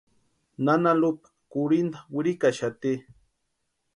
Nana Lupa kurhinta wirikaxati.